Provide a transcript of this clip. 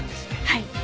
はい。